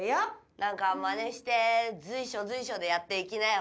何かマネして随所随所でやっていきなよ